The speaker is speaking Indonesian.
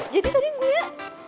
jadi tadi gue